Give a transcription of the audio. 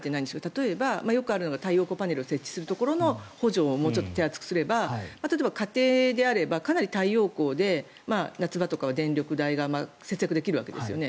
例えばよくあるのが太陽光パネルを設置するところの補助をもうちょっと手厚くすれば例えば家庭であればかなり太陽光で夏場とかは電力代が節約できるわけですよね。